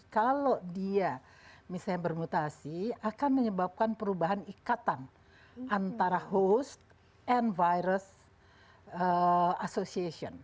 kalau dia misalnya bermutasi akan menyebabkan perubahan ikatan antara host and virus association